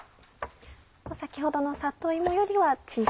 先ほどの里芋よりは小さめ。